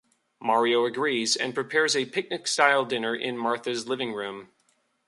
Mario agrees, and prepares a picnic-style dinner in Martha's living room.